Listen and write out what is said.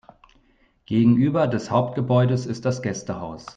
Gegenüber des Hauptgebäudes ist das Gästehaus.